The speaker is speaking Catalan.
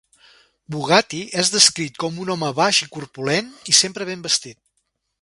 Bugatti és descrit com un home baix i corpulent, i sempre ben vestit.